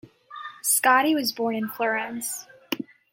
Scotti was born in Florence.